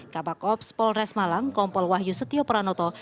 kabak ops polres malang kompol wahyu setio pranoto